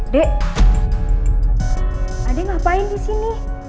dek ade ngapain di sini